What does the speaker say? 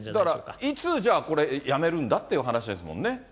だから、いつじゃあ、やめるんだっていう話ですもんね。